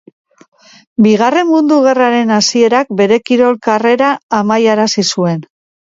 Bigarren Mundu Gerraren hasierak bere kirol karrera amaiarazi zuen.